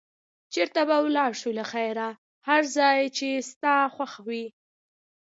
چېرته به ولاړ شو له خیره؟ هر ځای چې ستا خوښ وي.